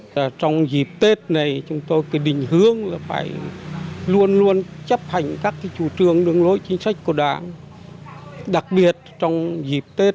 vì thời điểm này là phòng trong dịch bệnh covid một mươi chín